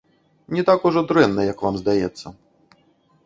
Не так ужо дрэнна, як вам здаецца.